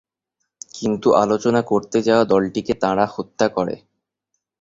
কিন্তু আলোচনা করতে যাওয়া দলটিকে তাঁরা হত্যা করে।